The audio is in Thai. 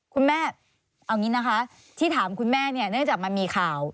คุณแม่เอาอย่างนี้นะคะที่ถามคุณแม่เนี่ยเนื่องจากมันมีข่าว